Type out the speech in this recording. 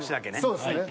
そうですね。